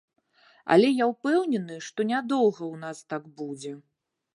Але я ўпэўнены, што не доўга ў нас так будзе.